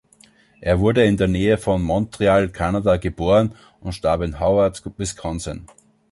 Er wurde in der Nähe von Montreal, Kanada, geboren und starb in Howard, Wisconsin.